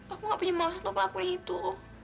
aku gak punya maus untuk ngelakuin itu